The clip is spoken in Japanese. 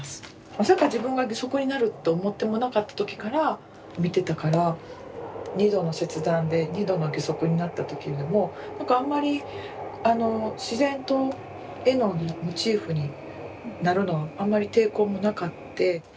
まさか自分が義足になると思ってもなかった時から見てたから二度の切断で二度の義足になった時にもあんまり自然と絵のモチーフになるのはあんまり抵抗もなかって。